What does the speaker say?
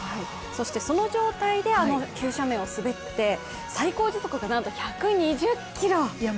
そしてその状態であの急斜面を滑って最高時速がなんと１２０キロ。